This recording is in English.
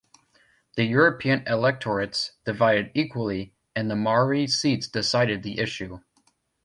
The European electorates divided equally and the Maori seats decided the issue.